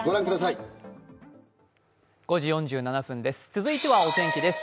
続いてはお天気です。